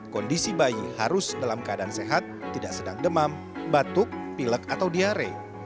kondisi bayi harus dalam keadaan sehat tidak sedang demam batuk pilek atau diare